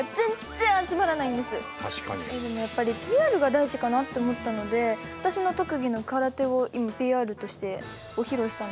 でもやっぱりＰＲが大事かなと思ったので私の特技の空手を今ＰＲとしてご披露したんですけど。